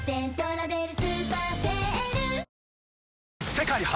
世界初！